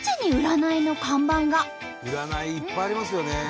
占いいっぱいありますよね。